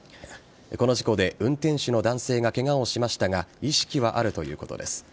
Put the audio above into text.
この事故で運転手の男性がケガをしましたが意識はあるということです。